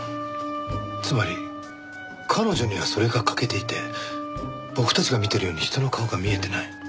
つまり彼女にはそれが欠けていて僕たちが見ているように人の顔が見えていない？